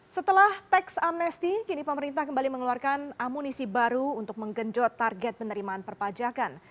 setelah teks amnesty kini pemerintah kembali mengeluarkan amunisi baru untuk menggenjot target penerimaan perpajakan